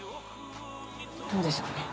どうでしょうね。